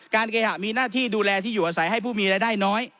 เคหะมีหน้าที่ดูแลที่อยู่อาศัยให้ผู้มีรายได้น้อย